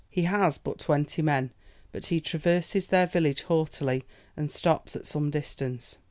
He has but twenty men, but he traverses their village haughtily, and stops at some distance.